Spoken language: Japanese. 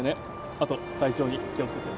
あと体調に気をつけて。